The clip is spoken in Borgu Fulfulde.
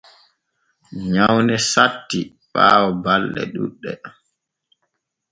Nyawne satti ɓaawo balɗe ɗuuɗɗe.